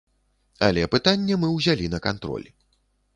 Але пытанне мы ўзялі на кантроль.